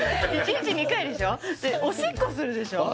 １日２回でしょでおしっこするでしょ